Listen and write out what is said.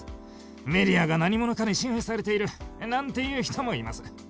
メディアが何者かに支配されているなんて言う人もいます。